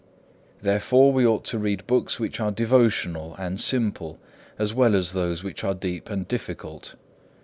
Therefore we ought to read books which are devotional and simple, as well as those which are deep and difficult.